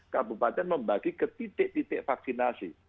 kabupaten membagi ke titik titik vaksinasi